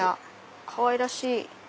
かわいらしい。